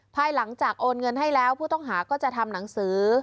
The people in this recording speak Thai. ภายหลังจากโอนเงินให้แล้วผู้ต้องหาก็จะทำหนังสือ